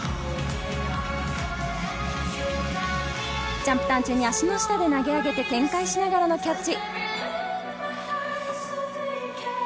ジャンプターン中に足の下で投げ上げて転回しながらのキャッチ。